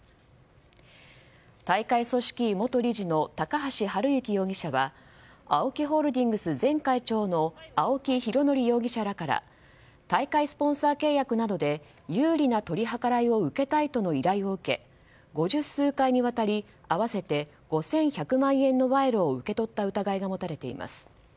大会組織委元理事の高橋治之容疑者はＡＯＫＩホールディングス前会長の青木拡憲容疑者らから大会スポンサー契約などで有利な取り計らいを受けたいとの依頼を受け五十数回にわたり合わせて５１００万円の賄賂を受け取った疑いが持たれています。